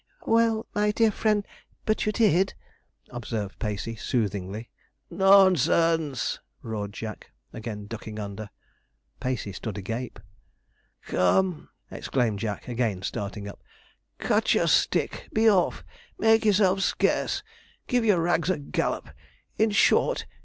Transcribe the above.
'Well, my dear friend, but you did,' observed Pacey soothingly. 'Nonsense!' roared Jack, again ducking under. Pacey stood agape. 'Come!' exclaimed Jack, again starting up, 'cut your stick! be off! make yourself scarce! give your rags a gallop, in short!